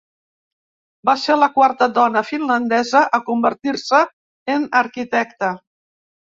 Va ser la quarta dona finlandesa a convertir-se en arquitecta.